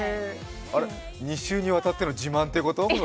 ２週にわたっての自慢ということ？